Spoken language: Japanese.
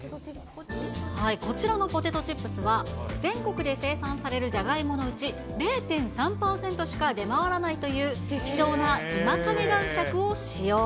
こちらのポテトチップスは、全国で生産されるじゃがいものうち、０．３％しか出回らないという希少な今金男しゃくを使用。